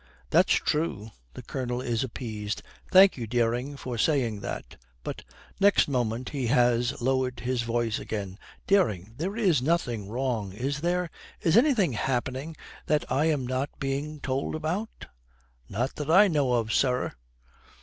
'That's true.' The Colonel is appeased. 'Thank you, Dering, for saying that.' But next moment he has lowered his voice again. 'Dering, there is nothing wrong, is there? Is anything happening that I am not being told about?' 'Not that I know of, sir.'